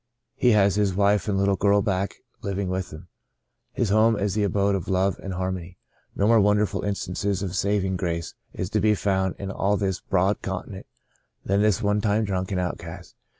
He has his wife and litde girl back living with him ; his home is the abode of love and harmony. No more wonderful instance of saving grace is to be found in all this broad continent than this one time drunken outcast.